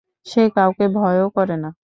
সে কাউকে ভয়ও করে না।